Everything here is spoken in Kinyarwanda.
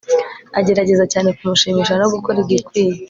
Agerageza cyane kumushimisha no gukora igikwiye